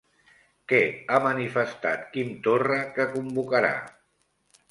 Què ha manifestat Quim Torra que convocarà?